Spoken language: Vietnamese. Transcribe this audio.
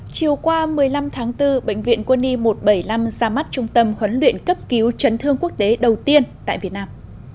chiều qua một mươi năm tháng bốn bệnh viện quân y một trăm bảy mươi năm ra mắt trung tâm huấn luyện cấp cứu trấn thương quốc tế đầu tiên tại việt nam